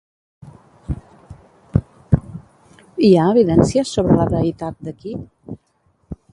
Hi ha evidències sobre la deïtat de Ki?